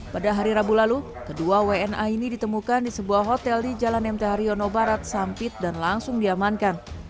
pada hari rabu lalu kedua wna ini ditemukan di sebuah hotel di jalan mt haryono barat sampit dan langsung diamankan